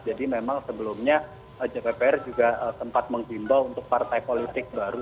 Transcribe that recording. jadi memang sebelumnya jppr juga sempat menggimbal untuk partai politik baru